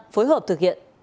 phối hợp thực hiện